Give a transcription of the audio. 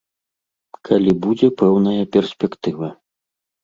Калі будзе пэўная перспектыва.